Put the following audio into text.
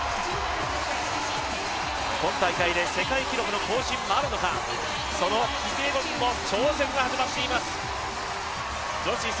今大会で世界記録の更新もあるのか、そのキピエゴンの挑戦が始まっています。